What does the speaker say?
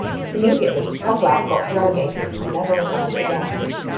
Immediately, Troglav got relegated and never returned again.